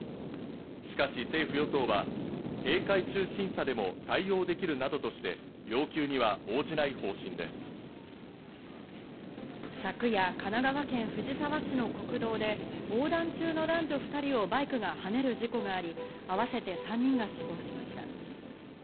しかし政府与党は、閉会中審査でも対応できるなどとして、要求に昨夜、神奈川県藤沢市の国道で、横断中の男女２人をバイクがはねる事故があり、合わせて３人が死亡しました。